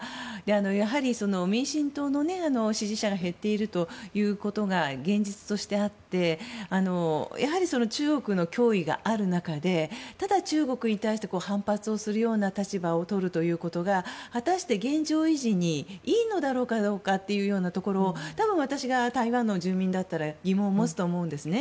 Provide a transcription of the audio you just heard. やはり、民進党の支持者が減っているということが現実としてあってやはり中国の脅威がある中でただ中国に対して反発する立場をとることが果たして、現状維持にいいのだろうかというところ多分、私が台湾の住民なら疑問を持つと思うんですね。